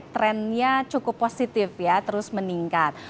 trendnya cukup positif ya terus meningkat